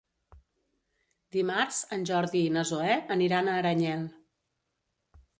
Dimarts en Jordi i na Zoè aniran a Aranyel.